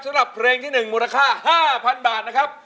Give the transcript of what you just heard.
สำหรับเพลงที่๑มูลค่า๕๐๐๐บาทนะครับ